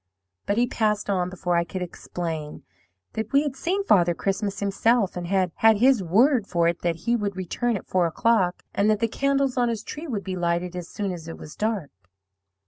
"But he passed on before I could explain that we had seen Father Christmas himself, and had had his word for it that he would return at four o'clock, and that the candles on his tree would be lighted as soon as it was dark.